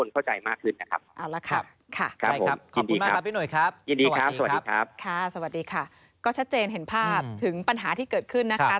ก็ชัดเจนเห็นภาพถึงปัญหาที่เกิดขึ้นนะคะ